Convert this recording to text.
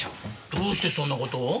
どうしてそんな事を？